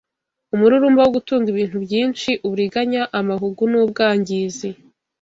umururumba wo gutunga ibintu byinshi, uburiganya, amahugu n’ubwangizi